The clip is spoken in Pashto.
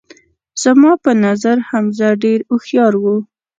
زما په نظر حمزه ډیر هوښیار وو